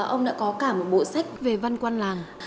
ông đã có cả một bộ sách về văn quan làng